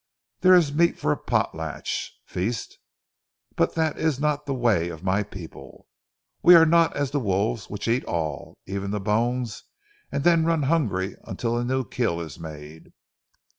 "There is meat for a potlach (feast), but dat is not ze way of my people. We are not as ze wolves which eat all, even ze bones, an' then run hungry until a new kill is made."